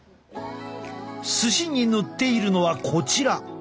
寿司に塗っているのはこちら。